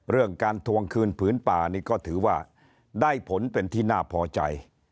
เรื่องการทวงคืนผืนป่านี่ก็ถือว่าได้ผลเป็นที่น่าพอใจ